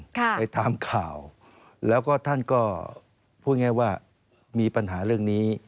ไปตามข่าวแล้วก็ท่านก็พูดง่ายว่ามีปัญหาเรื่องนี้